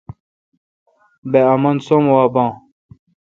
بہ امن سوم وا بھا۔